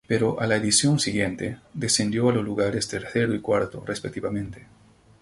Pero a la edición siguiente, descendió a los lugares tercero y cuarto, respectivamente.